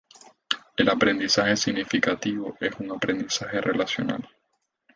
El aprendizaje significativo es un aprendizaje relacional.